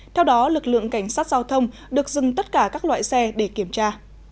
theo đó lực lượng cảnh sát giao thông được dừng tất cả các loại xe để kiểm tra